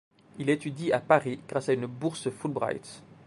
Il étudie à Paris grâce à une Bourse Fulbright.